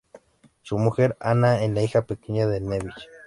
Su mujer, Ana, en la hija pequeña de Neville.